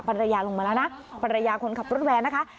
ภรรยาลงมาแล้วนะภรรยาคนขับรถแวนนะคะ